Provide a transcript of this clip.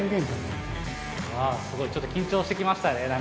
すごいちょっと緊張してきましたね何か。